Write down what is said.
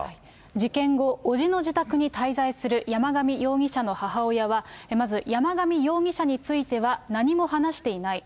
事件後、伯父の自宅に滞在する山上容疑者の母親は、まず山上容疑者については何も話していない。